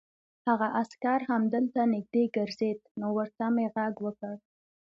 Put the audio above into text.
هغه عسکر همدلته نږدې ګرځېد، نو ورته مې غږ وکړ.